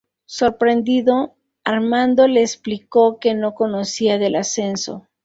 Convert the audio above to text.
Sorprendido, Armando le explicó que no conocía del ascenso.